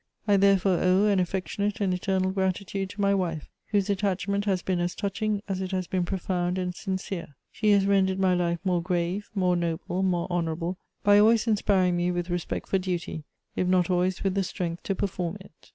I therefore owe an affectionate and eternal gratitude to my wife, whose attachment has been as touching as it has been profound and sincere. She has rendered my life more grave, more noble, more honourable, by always inspiring me with respect for duty, if not always with the strength to perform it.